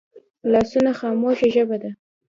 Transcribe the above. لاسونه خاموشه ژبه ده